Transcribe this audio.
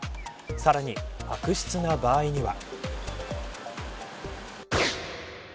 さらに悪質な場合には。